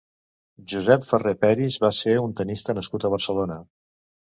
Josep Ferrer Peris va ser un tenista nascut a Barcelona.